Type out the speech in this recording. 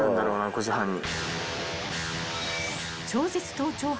５時半に。